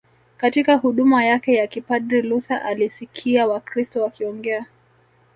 Katika huduma yake ya kipadri Luther alisikia Wakristo wakiongea